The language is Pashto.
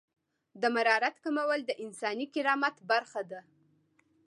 د مرارت کمول د انساني کرامت برخه ده.